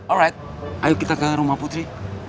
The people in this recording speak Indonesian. arite ayo kita ke rumah putri